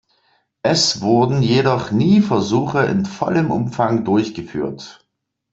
Es wurden jedoch nie Versuche in vollem Umfang durchgeführt.